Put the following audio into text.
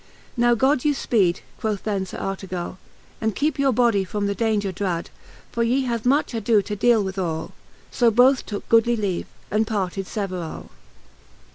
Now God you fpeed, quoth then Sir Artegally And keepe your body from the daunger drad \ For ye have much adoe to deale wirhall: So both tooke goodly leave, and parted ieverall.